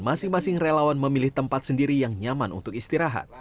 masing masing relawan memilih tempat sendiri yang nyaman untuk istirahat